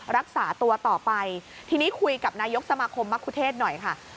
รักษาตัวต่อไปทีนี้คุยกับนายกสมาคมมะคุเทศหน่อยค่ะ